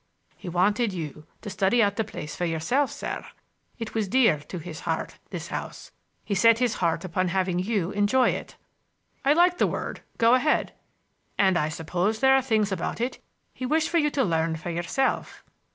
"He wanted you to study out the place for yourself, sir. It was dear to his heart, this house. He set his heart upon having you enjoy it—" "I like the word—go ahead." "And I suppose there are things about it that he wished you to learn for yourself."